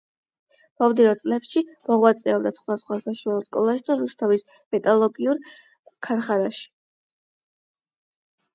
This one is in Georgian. მომდევნო წლებში მოღვაწეობდა სხვადასხვა საშუალო სკოლაში და რუსთავის მეტალურგიულ ქარხანაში.